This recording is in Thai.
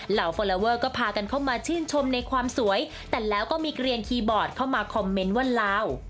ฟอลลอเวอร์ก็พากันเข้ามาชื่นชมในความสวยแต่แล้วก็มีเกลียนคีย์บอร์ดเข้ามาคอมเมนต์ว่าลาว